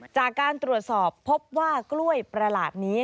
จากการตรวจสอบพบว่ากล้วยประหลาดนี้